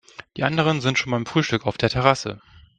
Die anderen sind schon beim Frühstück auf der Terrasse.